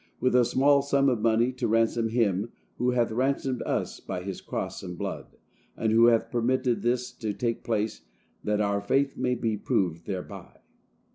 With a small sum of money to ransom Him who hath ransomed us by his cross and blood; and who hath permitted this to take place that our faith may be proved thereby!